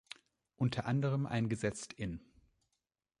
Unter Anderem eingesetzt in